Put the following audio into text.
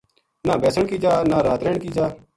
نہ بیسن کی جا نہ رات رہن کی جا